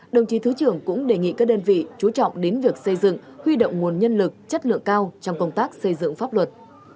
đồng chí thứ trưởng cũng đề nghị các đơn vị chú trọng đến việc xây dựng huy động nguồn nhân lực chất lượng cao trong công tác xây dựng pháp luật